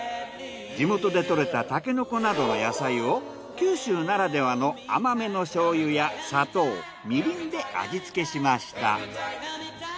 地元でとれたタケノコなどの野菜を九州ならではの甘めの醤油や砂糖みりんで味つけしました。